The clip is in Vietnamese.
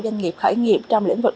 doanh nghiệp khởi nghiệp trong lĩnh vực